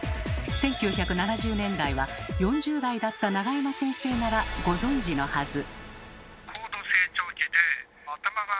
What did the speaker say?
１９７０年代は４０代だった永山先生ならご存じのはず。